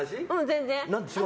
全然。